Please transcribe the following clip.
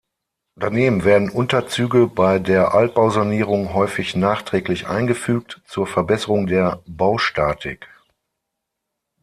Daneben werden Unterzüge bei der Altbausanierung häufig nachträglich eingefügt zur Verbesserung der Baustatik.